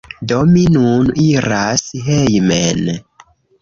Do, mi nun iras hejmen